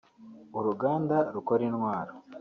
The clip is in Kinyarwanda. uruganda rukora intwaro